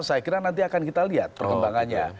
saya kira nanti akan kita lihat perkembangannya